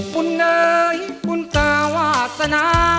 ปุ่นเนยปุ่นเตอร์วาสนา